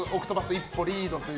一歩リードという。